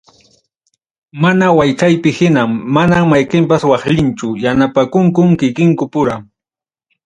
Mana waykaypi hinam, manam mayqinpas waqllinchu, yanapanakunkum kikinkupura.